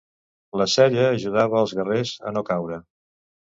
La sella ajudava els guerrers a no caure.